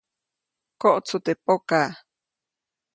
Koʼtsu teʼ pokaʼ.